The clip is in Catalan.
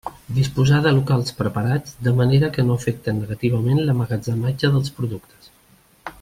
Disposar de locals preparats de manera que no afecten negativament l'emmagatzematge dels productes.